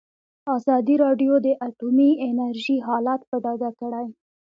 ازادي راډیو د اټومي انرژي حالت په ډاګه کړی.